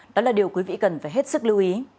đó là điều quý vị cần phải hết sức lưu ý